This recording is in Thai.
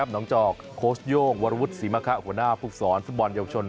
น้องจอคโคตรยงสิมาคะหัวหน้าภูตสรรฝุ่นบอลเยาะชน